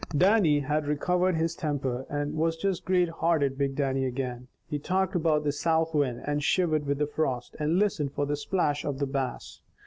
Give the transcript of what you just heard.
Dannie had recovered his temper, and was just great hearted, big Dannie again. He talked about the south wind, and shivered with the frost, and listened for the splash of the Bass.